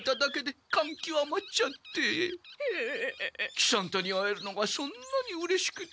喜三太に会えるのがそんなにうれしくて。